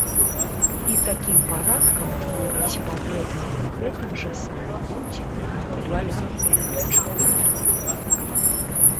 І такім парадкам творыць патрэбныя гэтым жа самым людзям матэрыяльныя рэчы культуры.